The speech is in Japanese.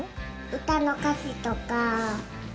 歌の歌詞とか。